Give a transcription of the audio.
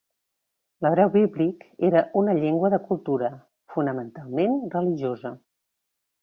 L'hebreu bíblic era una llengua de cultura, fonamentalment religiosa.